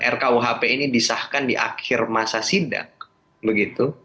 rkuhp ini disahkan di akhir masa sidang